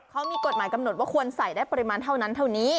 เขามีกฎหมายกำหนดว่าควรใส่ได้ปริมาณเท่านั้นเท่านี้